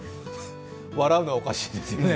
笑うのはおかしいですよね。